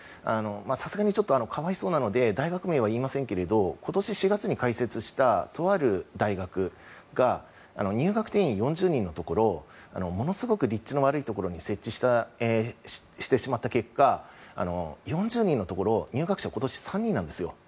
さすがに可哀想なので大学名は言いませんけれど今年４月に開設したとある大学が入学定員４０人のところものすごく立地の悪いところに設置してしまった結果４０人のところ入学者が今年は３人なんですよ。